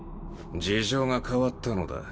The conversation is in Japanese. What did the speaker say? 事情が変わったのだ。